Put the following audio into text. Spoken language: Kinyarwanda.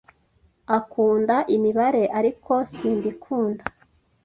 Akunda imibare, ariko simbikunda.